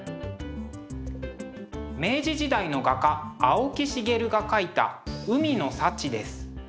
明治時代の画家青木繁が描いた「海の幸」です。